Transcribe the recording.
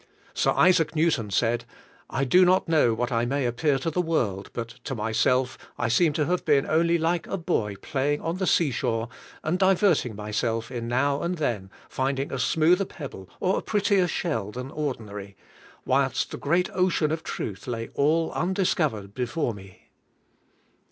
Sir IsaacNewton said, " I do not know what I may appear to the world ; but to myself I seem to have been only like a bo}^ playing on the seashore and diverting myself in now and then finding a smoother pebble or a prettier shell than ordinary, whilst the great ocean of truth la}^ all undiscovered before me."